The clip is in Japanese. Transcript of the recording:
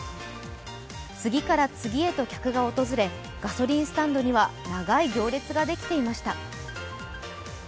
次から次へと客が訪れガソリンスタンドには、長い行列ができていました。